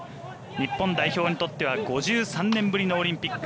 日本代表にとっては５３年ぶりのオリンピック。